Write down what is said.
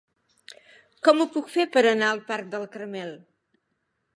Com ho puc fer per anar al parc del Carmel?